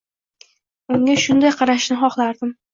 Unga shunday qaralishini xohlardim.